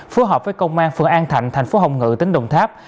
phối hợp với công an phường an thạnh thành phố hồng ngự tỉnh đồng tháp